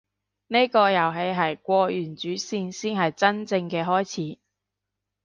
呢個遊戲係過完主線先係真正嘅開始